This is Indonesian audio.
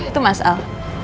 itu mas al